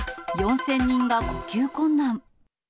４０００人が呼吸困難。